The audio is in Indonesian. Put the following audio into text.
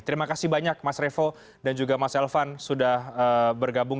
terima kasih banyak mas revo dan juga mas elvan sudah bergabung